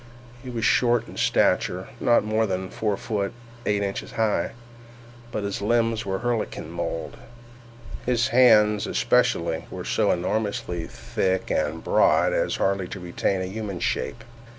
He was short in stature, not more than four feet eight inches high, but his limbs were of Herculean mould. His hands, especially, were so enormously thick and broad as hardly to retain a human shape.